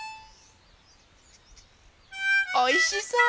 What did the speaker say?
おいしそう。